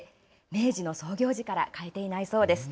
明治の創業時から変えていないそうです。